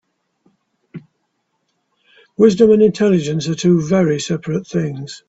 Wisdom and intelligence are two very seperate things.